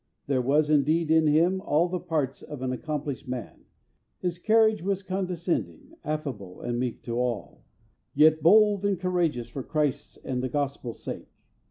There was, indeed, in him all the parts of an accomplished man. His carriage was condescending, affable, and meek to all; yet bold and courageous for Christ's and the Gospel's sake.